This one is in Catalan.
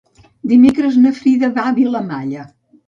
Dimecres na Frida va a Vilamalla.